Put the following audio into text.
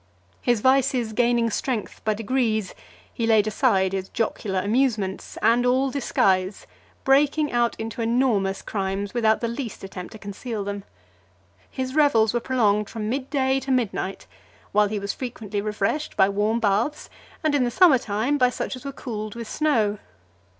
XXVII. His vices gaining strength by degrees, he laid aside his jocular amusements, and all disguise; breaking out into enormous crimes, without the least attempt to conceal them. His revels were prolonged from mid day to midnight, while he was frequently refreshed by warm baths, and, in the summer time, by such as were cooled with snow.